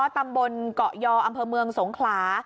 ตำบลเกาะยออำเภอเมืองสงขลา